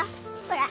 ほら。